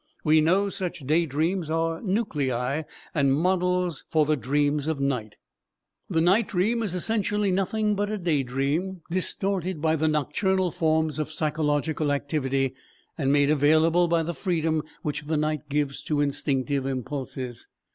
We know such day dreams are nuclei and models for the dreams of night. The night dream is essentially nothing but a day dream, distorted by the nocturnal forms of psychological activity, and made available by the freedom which the night gives to instinctive impulses.